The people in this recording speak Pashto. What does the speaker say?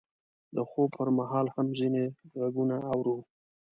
د خوب پر مهال هم ځینې غږونه اورو.